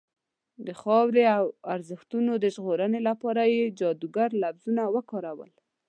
د خاورې او ارزښتونو د ژغورنې لپاره یې جادوګر لفظونه وکارول.